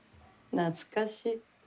懐かしい。